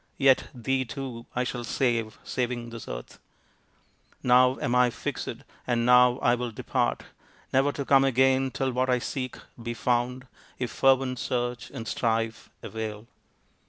Yet thee, too, I shall save, saving this earth ; Now am I fixed, and now I will depart, Never to come again, till what I seek Be found if fervent search and strife avail."